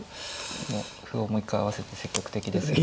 この歩をもう一回合わせて積極的ですよね。